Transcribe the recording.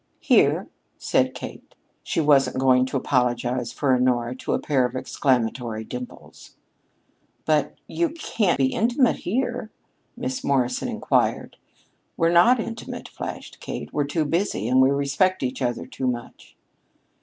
"Here," said Kate. She wasn't going to apologize for Honora to a pair of exclamatory dimples! "But you can be intimate here?" Miss Morrison inquired. "We're not intimate," flashed Kate. "We're too busy and we respect each other too much."